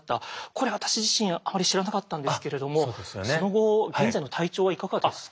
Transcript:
これ私自身あまり知らなかったんですけれどもその後現在の体調はいかがですか？